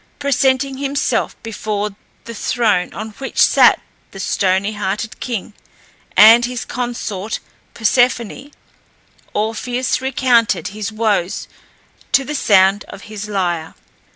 Presenting himself before the throne on which sat the stony hearted king and his consort Persephone, Orpheus recounted his woes to the sound of his lyre.